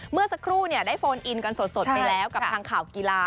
เมื่อสักครู่ได้โฟนอินกันสดไปแล้วกับทางข่าวกีฬา